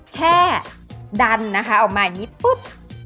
แค่ดันนะคะออกมาอย่างนี้ปุ๊บ